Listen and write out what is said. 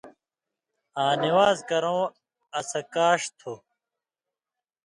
آں نِوان٘ز کرؤں اڅھکاݜ تھُو۔